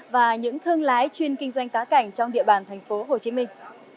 và những thương lái chuyên kinh doanh cá cảnh trong địa bàn thành phố hồ chí minh